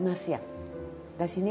私ね